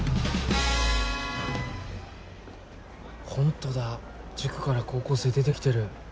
ホントだ塾から高校生出て来てる。